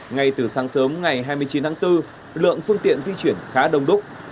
ngay từ sáng sớm ngày hai mươi chín tháng bốn lượng phương tiện di chuyển khá đông đúc